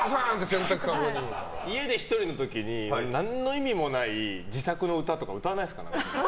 家で１人の時に何の意味もない自作の歌とか歌わないですか？